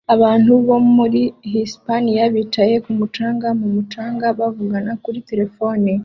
Abantu bo muri Hisipaniya bicaye ku mucanga mu mucanga bavugana kuri terefone